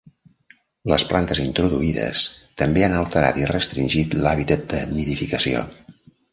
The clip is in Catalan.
Les plantes introduïdes també han alterat i restringit l'hàbitat de nidificació.